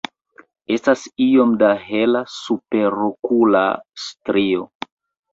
Estas iom da hela superokula strio.